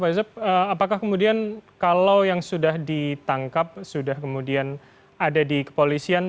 pak yusuf apakah kemudian kalau yang sudah ditangkap sudah kemudian ada di kepolisian